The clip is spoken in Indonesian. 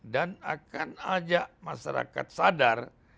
dan akan ajak masyarakat sadar